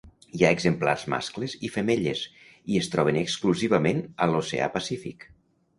Hi ha exemplars mascles i femelles, i es troben exclusivament a l'oceà Pacífic.